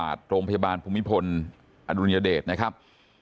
พิธีเวชศาสตร์โรงพยาบาลภูมิพลอดุลยเดชนะครับ